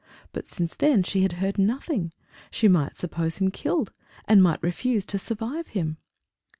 But since then she had heard nothing. She might suppose him killed, and might refuse to survive him....